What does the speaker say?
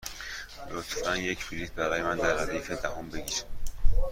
لطفا یک بلیط برای من در ردیف دهم بگیر.